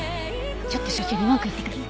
ちょっと所長に文句言ってくる。